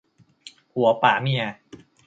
ผัวป๋าเมีย